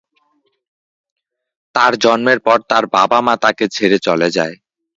তার জন্মের পর তার বাবা-মা তাকে ছেড়ে চলে যায়।